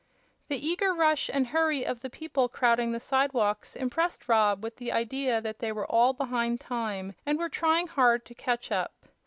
The eager rush and hurry of the people crowding the sidewalks impressed Rob with the idea that they were all behind time and were trying hard to catch up.